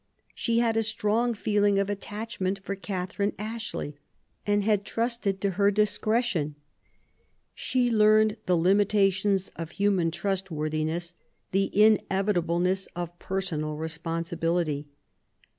She had a strong feeling of attachment for Catherine Ashley, and had trusted to her discretion* She learned the liiloilations of human trustworthi ness, the inevitatbleness of personal responsibility.